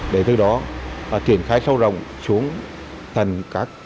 để từ đó triển khai sâu rộng xuống thần các